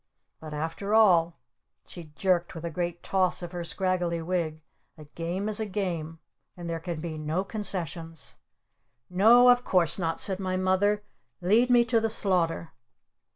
But after all " she jerked with a great toss of her scraggly wig, "a Game is a Game! And there can be no concessions!" "No, of course not!" said my Mother. "Lead me to the Slaughter!"